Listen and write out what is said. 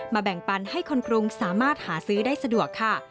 แบ่งปันให้คนกรุงสามารถหาซื้อได้สะดวกค่ะ